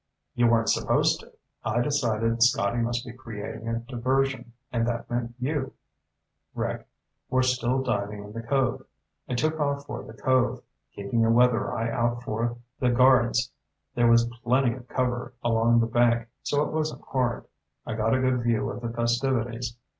"You weren't supposed to. I decided Scotty must be creating a diversion, and that meant you, Rick, were still diving in the cove. I took off for the cove, keeping a weather eye out for the guards. There was plenty of cover along the bank, so it wasn't hard. I got a good view of the festivities.